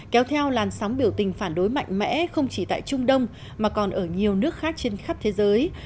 kéo theo làn sóng biểu tình phản đối mạnh mẽ không chỉ tại trung đông mà còn ở nhiều nước khác trên khắp thế giới